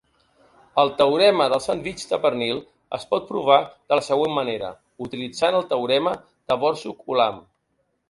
El teorema del sandvitx de pernil es pot provar de la següent manera utilitzant el teorema de Borsuk-Ulam.